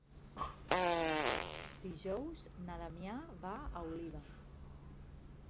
Dijous na Damià va a Oliva.